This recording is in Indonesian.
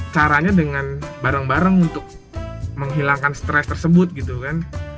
caranya dengan bareng bareng untuk menghilangkan stres tersebut gitu kan